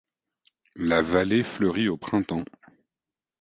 La vallée fleurit au printemps.